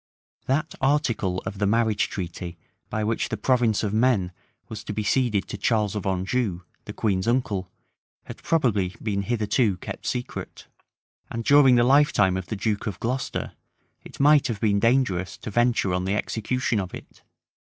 That article of the marriage treaty by which the province of Maine was to be ceded to Charles of Anjou, the queen's unele, had probably been hitherto kept secret; and during the lifetime of the duke of Glocester, it might have been dangerous to venture on the execution of it.